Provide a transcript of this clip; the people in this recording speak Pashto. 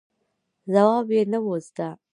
ځواب یې نه و زده.